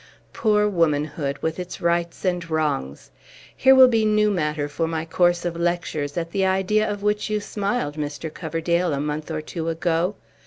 Poor womanhood, with its rights and wrongs! Here will be new matter for my course of lectures, at the idea of which you smiled, Mr. Coverdale, a month or two ago.